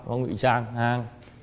có ngụy trang hang